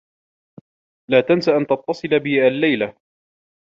لا تنس أن تتّصل بي اللّيلة.